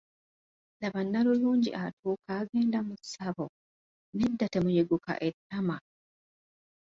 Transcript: Laba nnalulungi atuuka agenda mu ssabo, nedda temuyiguka ettama!